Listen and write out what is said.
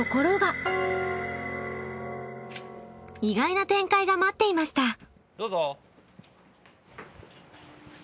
意外な展開が待っていました。